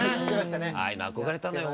ああいうの憧れたのよ